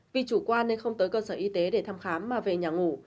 vì chủ quan nên không tới cơ sở y tế để thăm khám mà về nhà ngủ